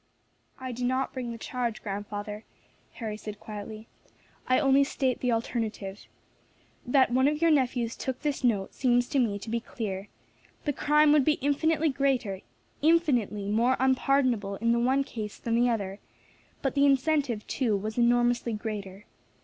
"I do not bring the charge, grandfather," Harry said quietly, "I only state the alternative. That one of your nephews took this note seems to me to be clear; the crime would be infinitely greater, infinitely more unpardonable in the one case than the other, but the incentive, too, was enormously greater.